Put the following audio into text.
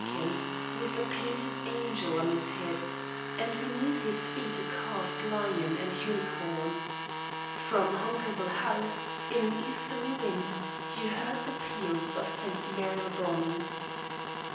with a painted angel on his head, and beneath his feet a carved lion and unicorn. From Hunkerville House, in an easterly wind, you heard the peals of St. Marylebone.